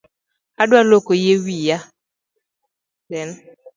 Adwa luoko yie wiya